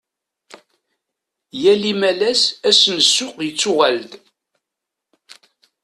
Yal imalas, ass n ssuq yettuɣal-d.